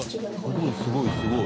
でもすごいすごい。